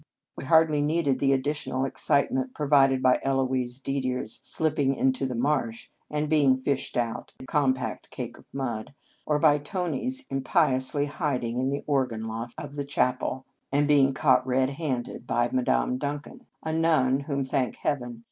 We hardly needed the additional excite ment provided by Eloise Didier s slip ping into the marsh, and being fished out, a compact cake of mud; or by Tony s impiously hiding in the organ loft of the chapel, and being caught In Our Convent Days red handed by Madame Duncan, a nun whom, thank Heaven!